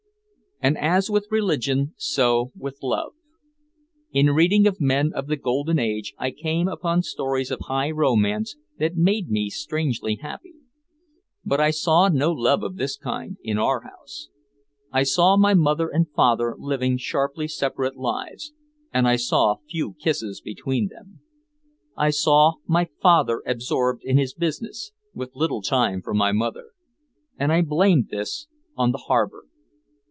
And as with religion, so with love. In reading of men of the Golden Age I came upon stories of high romance that made me strangely happy. But I saw no love of this kind in our house. I saw my mother and father living sharply separate lives, and I saw few kisses between them. I saw my father absorbed in his business, with little time for my mother. And I blamed this on the harbor.